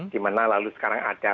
dimana lalu sekarang ada